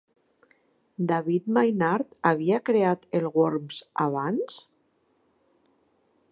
David Maynard havia creat el Worms abans?